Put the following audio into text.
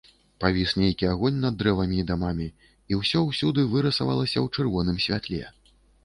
Павіс нейкі агонь над дрэвамі і дамамі, і ўсё ўсюды вырысавалася ў чырвоным святле.